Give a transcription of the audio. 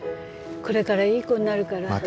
「これからいい子になるから」。